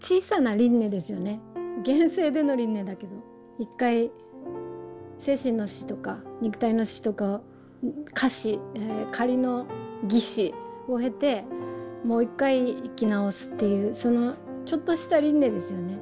現世での輪廻だけど一回精神の死とか肉体の死とか仮死仮の擬死を経てもう一回生き直すっていうそのちょっとした輪廻ですよね。